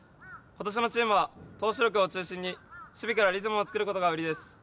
今年のチームは、投手力を中心に守備からリズムを作ることが売りです。